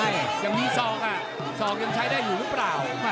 ยังมีขวาค่ะสองก็ยังใช้ได้หรือเปล่า